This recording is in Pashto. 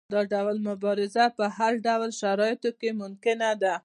دا ډول مبارزه په هر ډول شرایطو کې ممکنه ده.